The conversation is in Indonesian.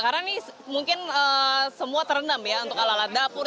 karena ini mungkin semua terendam ya untuk ala ala dapur